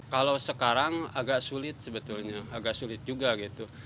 kalau sekarang agak sulit sebetulnya agak sulit juga gitu